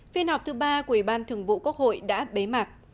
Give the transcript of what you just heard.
phiên họp thứ ba của ủy ban thường vụ quốc hội đã bế mạc